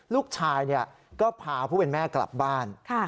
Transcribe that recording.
ลูกชายก็พาผู้เป็นแม่กลับบ้าน